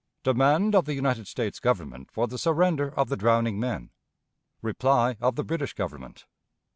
Demand of the United States Government for the Surrender of the Drowning Men. Reply of the British Government.